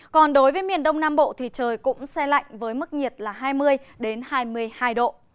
còn đối với miền đông nam bộ thì trời cũng xe lạnh với mức nhiệt là hai mươi hai mươi hai độ